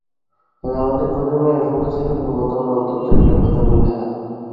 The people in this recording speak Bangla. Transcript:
ফলে, আমাদের প্রজন্মের আশঙ্কা ছিল সম্ভবত আমরা অন্তত একটি প্রজন্মকে হারালাম।